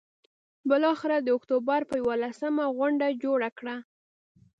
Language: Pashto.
بالآخره د اکتوبر پر یوولسمه غونډه جوړه کړه.